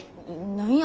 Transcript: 何や？